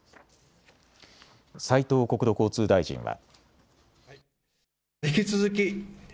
斉藤国土交通大臣は。